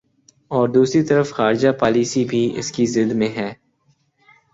ا ور دوسری طرف خارجہ پالیسی بھی اس کی زد میں ہے۔